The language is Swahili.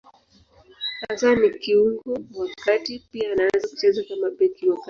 Hasa ni kiungo wa kati; pia anaweza kucheza kama beki wa kati.